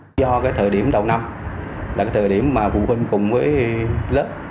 do cái thời điểm đầu năm là cái thời điểm mà phụ huynh cùng với lớp